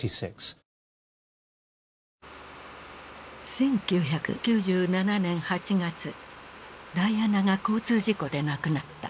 １９９７年８月ダイアナが交通事故で亡くなった。